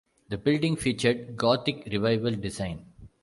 The building featured Gothic Revival design.